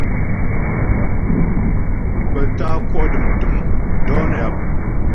Pə tá'a kwɔ' dəm tə̂m dɔ̌ nə́ yap.